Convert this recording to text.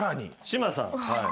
島さん。